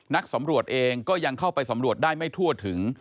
นักสำรวจเองก็ยังเข้าไปสำรวจได้ไม่ทั่วถึง